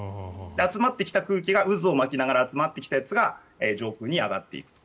集まってきた空気が渦を巻きながら集まってきたやつが上空に上がっていくと。